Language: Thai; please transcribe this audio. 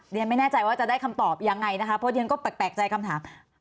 เรียนไม่แน่ใจว่าจะได้คำตอบยังไงนะคะเพราะเรียนก็แปลกใจคำถาม